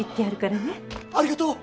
ありがとう！